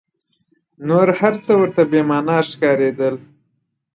نور هر څه ورته بې مانا ښکارېدل.